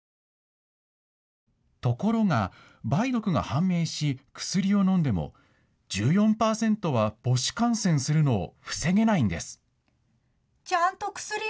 ところが梅毒が判明し薬を飲んでも１４％は母子感染するのを防げないんです。